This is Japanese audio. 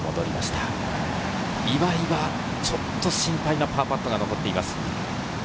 岩井はちょっと心配なパーパットが残っています。